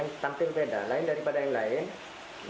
yang tampil beda lain daripada yang lain